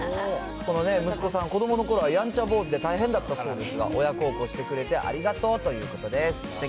この息子さん、子どものころはやんちゃ坊主で大変だったそうですが、親孝行してくれてありがとうということです。